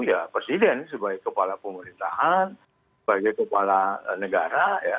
ya presiden sebagai kepala pemerintahan sebagai kepala negara ya